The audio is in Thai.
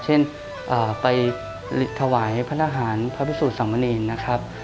เช่นไปถวายพระทหารพระพิสูจนสามเณรนะครับ